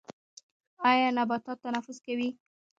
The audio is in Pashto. ایا نباتات تنفس کوي؟